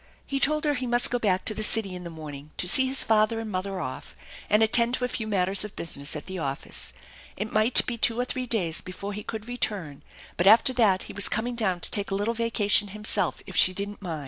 He told her he must go back to the city in the morning to see his father and mother off and attend to a few matters of business at the office. It might be two or three days before he could return, but after that he was coming down to take a little vacation himself if she didn't mind.